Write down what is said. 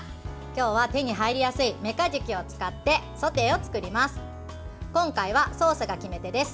今日は手に入りやすいめかじきを使ってソテーを作ります。